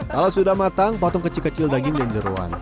kalau sudah matang potong kecil kecil daging dan jeruan